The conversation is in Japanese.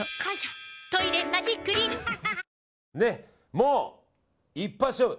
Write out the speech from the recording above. もう、一発勝負。